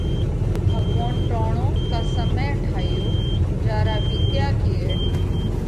ڀڳوونَ ٽوڻو ڪا سمئي ٺايو جيا را وِيتيا ڪيڙ